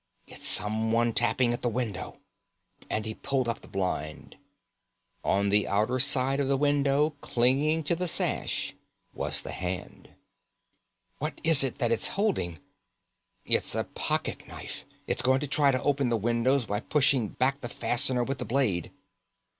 It was someone tapping at the window," and he pulled up the blind. On the outer side of the window, clinging to the sash, was the hand. "What is it that it's holding?" "It's a pocket knife. It's going to try to open the window by pushing back the fastener with the blade."